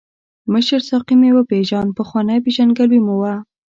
مشر ساقي مې وپیژاند، پخوانۍ پېژندګلوي مو وه.